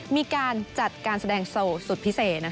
มีการจัดการแสดงโสดสุดพิเศษ